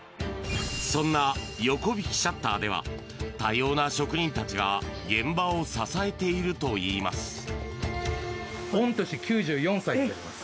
そんな横引シャッターでは多様な職人たちが現場を支えているといいます。